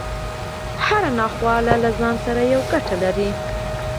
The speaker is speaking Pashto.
هره ناخواله له ځان سره يوه ګټه لري.